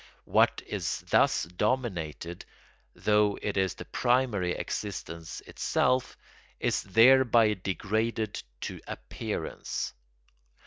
What is thus dominated, though it is the primary existence itself, is thereby degraded to appearance.